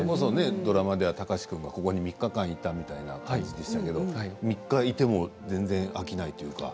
ドラマでは貴司君がここに３日間いたというような設定でしたけれど３日いても飽きないというか。